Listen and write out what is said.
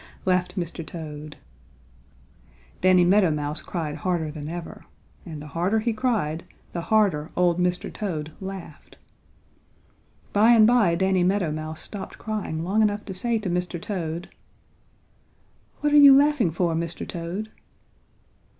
laughed Mr. Toad. Danny Meadow Mouse cried harder than ever, and the harder he cried the harder old Mr. Toad laughed. By and by Danny Meadow Mouse stopped crying long enough to say to Mr. Toad: "What are you laughing for, Mr. Toad?"